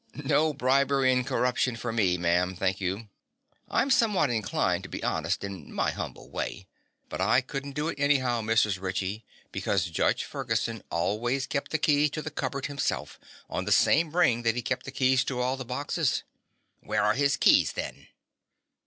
"No bribery and corruption for me, ma'am, thank you. I'm somewhat inclined to be honest, in my humble way. But I couldn't do it, anyhow, Mrs. Ritchie, because Judge Ferguson always kept the key to the cupboard himself, on the same ring that he kept the keys to all the boxes." "Where are his keys, then?"